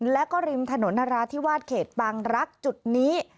แล้วก็ริมถนนนราธิวาสเขตบางรักษ์จุดนี้